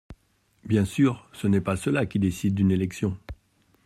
Bien sûr, ce n’est pas cela qui décide d’une élection.